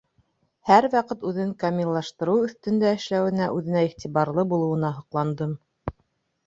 Һәр ваҡыт үҙен камиллаштырыу өҫтөндә эшләүенә, үҙенә иғтибарлы булыуына һоҡландым.